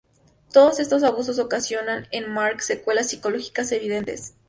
Todos estos abusos ocasionan en Mark secuelas psicológicas evidentes.